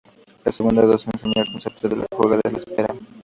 La segunda nos enseña el concepto de jugada en espera.